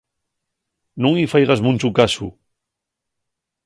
Nun-y faigas munchu casu.